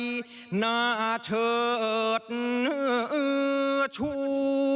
หน้าเชิดชู